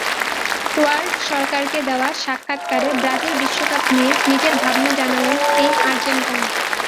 World সকারকে দেওয়া সাক্ষাৎকারে ব্রাজিল বিশ্বকাপ নিয়ে নিজের ভাবনা জানালেনএই আর্জেন্টাইন।